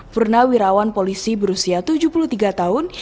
purnawirawan polisi berusia tujuh puluh tiga tahun